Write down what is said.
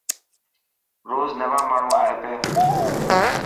روز نوا ماڻهو آئي پيا.